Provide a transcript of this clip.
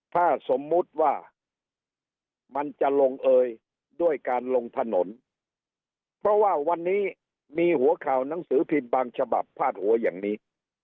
ถ้าสมมุติว่ามันจะลงเอยด้วยการลงถนนเพราะว่าวันนี้มีหัวข่าวหนังสือพิมพ์บางฉบับพาดหัวอย่างนี้